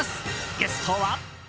ゲストは。